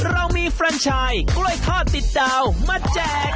เรามีแบบโกยทอดติดดาวมาแจก